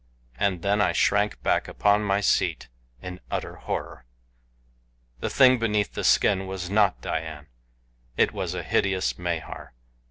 And then I shrank back upon my seat in utter horror. The thing beneath the skin was not Dian it was a hideous Mahar.